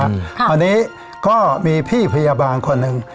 ตอนนี้ก็มีพี่พยาบาลคนหนึ่ง